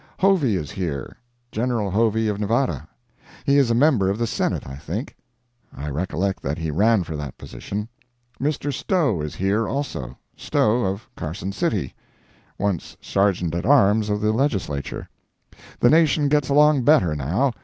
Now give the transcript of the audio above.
Hovey is here. General Hovey of Nevada. He is a member of the Senate, I think. I recollect that he ran for that position. Mr. Stowe is here, also—Stowe of Carson City—once Sergeant At Arms of the Legislature. The nation gets along better, now.